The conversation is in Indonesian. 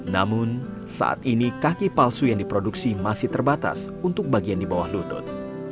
namun saat ini kaki palsu yang diproduksi masih terbatas untuk bagian di bawah lutut